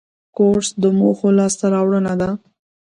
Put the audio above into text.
کورس د موخو لاسته راوړنه ده.